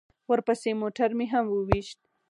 ورپسې موټر مې هم وويشت.